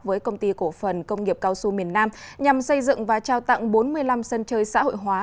với công ty cổ phần công nghiệp cao su miền nam nhằm xây dựng và trao tặng bốn mươi năm sân chơi xã hội hóa